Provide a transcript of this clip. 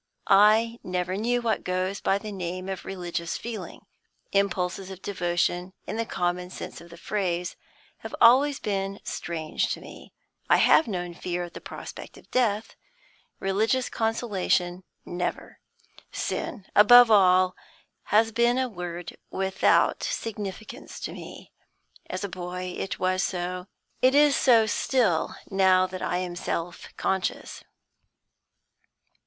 I never knew what goes by the name of religious feeling; impulses of devotion, in the common sense of the phrase, have always been strange to me. I have known fear at the prospect of death; religious consolation, never. Sin, above all, has been a word without significance to me. As a boy, it was so; it is so still, now that I am self conscious.